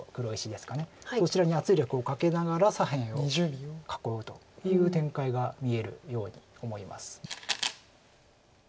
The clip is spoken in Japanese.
そちらに圧力をかけながら左辺を囲うという展開が見えるように思います。